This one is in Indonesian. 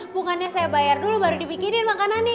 bukannya saya bayar dulu baru dibikinin makanannya